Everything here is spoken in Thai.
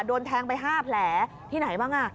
โดนแทงไป๕แผลที่ไหนบ้างอ่ะ